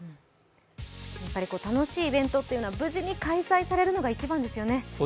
楽しいイベントというのは無事に開催されるのが一番ですよね。